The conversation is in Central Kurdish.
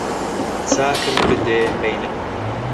چاکم بدەیە مەیلە